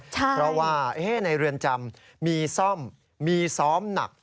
เพราะว่าในเรือนจำมีซ่อมมีซ้อมหนัก